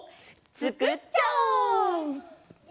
つくっちゃおう！